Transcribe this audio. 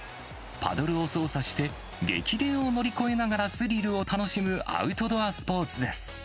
パドルを操作して、激流を乗り越えながらスリルを楽しむアウトドアスポーツです。